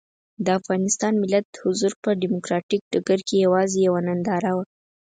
د افغانستان ملت حضور په ډیموکراتیک ډګر کې یوازې یوه ننداره وه.